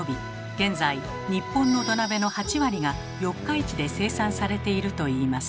現在日本の土鍋の８割が四日市で生産されているといいます。